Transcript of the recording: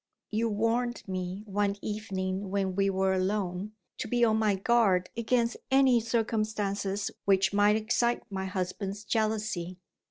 You warned me, one evening when we were alone, to be on my guard against any circumstances which might excite my husband's jealousy.